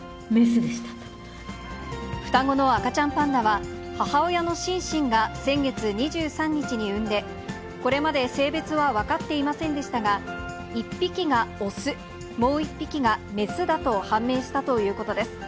双子の赤ちゃんパンダは、母親のシンシンが先月２３日に産んで、これまで性別は分かっていませんでしたが、１匹が雄、もう１匹が雌だと判明したということです。